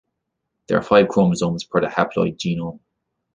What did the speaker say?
There are five chromosomes per the haploid genome.